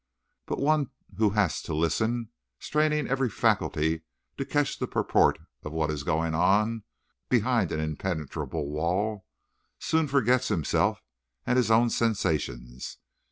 But one who has to listen, straining every faculty to catch the purport of what is going on behind an impenetrable wall, soon forgets himself and his own sensations.